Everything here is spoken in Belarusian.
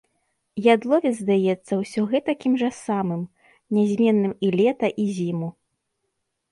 Ядловец здаецца ўсё гэтакім жа самым, нязменным і лета, і зіму.